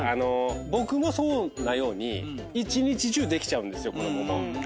僕もそうなように一日中できちゃうんですよ子供も。